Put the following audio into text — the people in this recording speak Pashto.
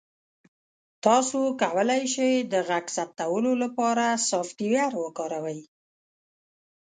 تاسو کولی شئ د غږ ثبتولو لپاره سافټویر وکاروئ.